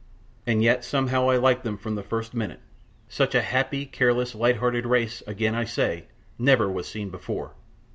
And yet somehow I liked them from the first minute; such a happy, careless, light hearted race, again I say, never was seen before.